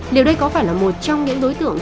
liệu đây có phải là một trong những đối tượng